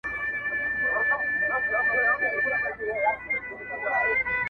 چي پر سر باندي یې واوري اوروي لمن ګلونه!.